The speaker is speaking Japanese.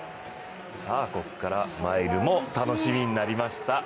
ここからマイルも楽しみになりました。